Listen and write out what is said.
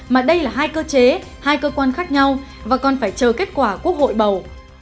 mà đây là hai cơ chế hai cơ quan khác nhau và còn phải chờ kết quả quốc hội bầu